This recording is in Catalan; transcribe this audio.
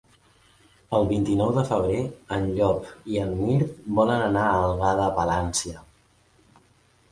El vint-i-nou de febrer en Llop i en Mirt volen anar a Algar de Palància.